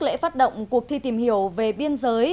lễ phát động cuộc thi tìm hiểu về biên giới